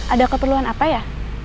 ada keperluan apa ya